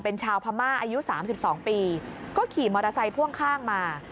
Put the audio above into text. เป็นชาวพม่าอายุ๓๒ปีก็ขี่มอเตอร์ไซค์พ่วงข้างมา